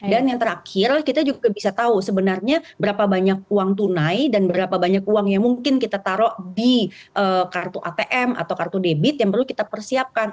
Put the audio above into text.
dan yang terakhir kita juga bisa tahu sebenarnya berapa banyak uang tunai dan berapa banyak uang yang mungkin kita taruh di kartu atm atau kartu debit yang perlu kita persiapkan